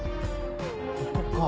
ここか。